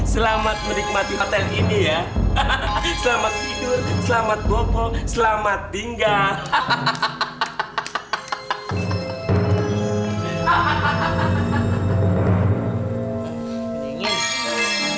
selamat menikmati hotel ini ya selamat tidur selamat boko selamat tinggal hahaha